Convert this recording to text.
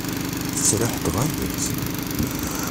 Tettraḥ-d ɣaya-tt!